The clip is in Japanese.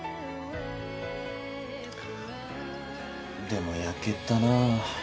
でもやけたなぁ。